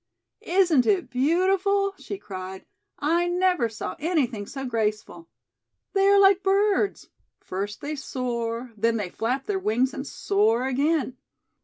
"Isn't it beautiful?" she cried. "I never saw anything so graceful. They are like birds. First they soar. Then they flap their wings and soar again."